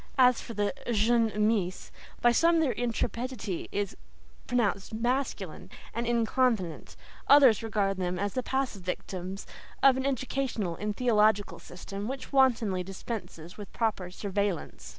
As for the "jeunes Meess," by some their intrepidity is pronounced masculine and "inconvenant," others regard them as the passive victims of an educational and theological system which wantonly dispenses with proper "surveillance."